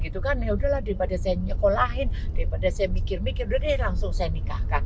ya sudah lah daripada saya nyekolahin daripada saya mikir mikir sudah deh langsung saya nikahkan